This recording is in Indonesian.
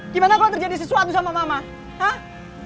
gimana kalo terjadi sesuatu sama mama hah